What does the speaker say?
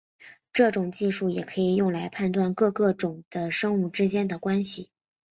这种技术也可以用来判断各个种的生物之间的关系。